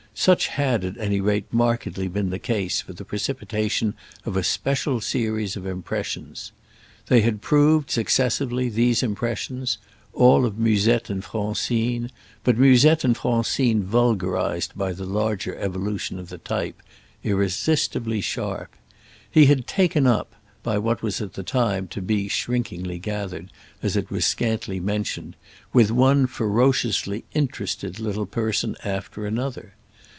Such had at any rate markedly been the case for the precipitation of a special series of impressions. They had proved, successively, these impressions—all of Musette and Francine, but Musette and Francine vulgarised by the larger evolution of the type—irresistibly sharp: he had "taken up," by what was at the time to be shrinkingly gathered, as it was scantly mentioned, with one ferociously "interested" little person after another.